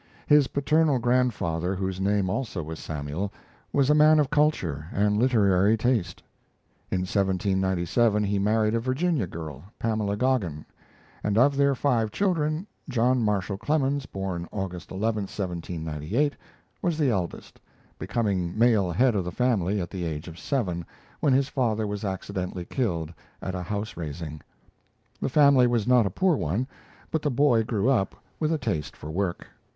His paternal grandfather, whose name also was Samuel, was a man of culture and literary taste. In 1797 he married a Virginia girl, Pamela Goggin; and of their five children John Marshall Clemens, born August 11, 1798, was the eldest becoming male head of the family at the age of seven, when his father was accidentally killed at a house raising. The family was not a poor one, but the boy grew up with a taste for work.